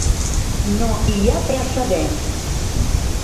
No hi ha precedents.